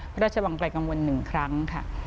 พระราชวังไกลกังวล๑ครั้งค่ะ